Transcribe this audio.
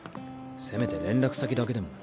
せめて連絡先だけでも。